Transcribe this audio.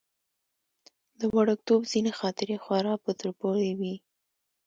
د وړکتوب ځينې خاطرې خورا په زړه پورې وي.